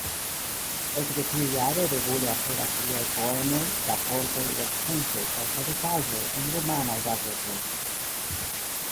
Ekde tiu jare regule aperas liaj poemoj, raportoj, recenzoj kaj tradukaĵoj en rumanaj gazetoj.